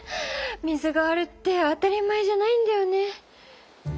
水があるって当たり前じゃないんだよね。